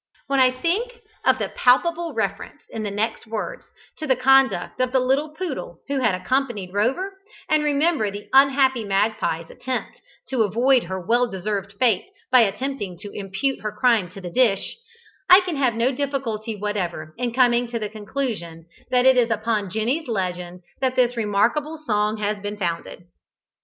When I think of the palpable reference in the next words to the conduct of the little poodle who had accompanied Rover, and remember the unhappy magpie's attempt to avoid her well deserved fate by attempting to impute her crime to the dish, I can have no difficulty whatever in coming to the conclusion that it is upon Jenny's legend that this remarkable song has been founded.